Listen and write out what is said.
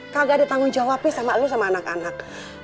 kagak ada tanggung jawabnya sama lo sama anak anak